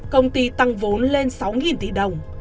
công ty tăng vốn lên sáu tỷ đồng